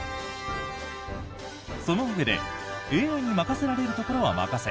そのうえでＡＩに任せられるところは任せ